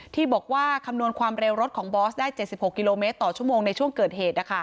ที่บอกว่าคำนวณความเร็วรถของบอสได้๗๖กิโลเมตรต่อชั่วโมงในช่วงเกิดเหตุ